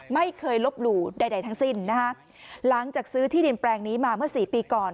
ไม่เคยลบหลู่ใดทั้งสิ้นนะฮะหลังจากซื้อที่ดินแปลงนี้มาเมื่อสี่ปีก่อน